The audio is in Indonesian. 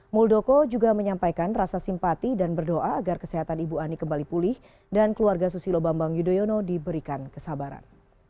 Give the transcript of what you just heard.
muldoko juga menyampaikan rasa simpati dan berdoa agar kesehatan ibu ani kembali pulih dan keluarga susilo bambang yudhoyono diberikan kesabaran